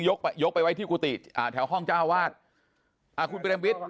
ยกไปยกไปไว้ที่กุฏิอ่าแถวห้องเจ้าอาวาสอ่าคุณเปรมวิทย์